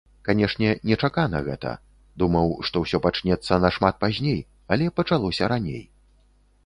Канешне, нечакана гэта, думаў, што усё пачнецца нашмат пазней, але пачалося раней.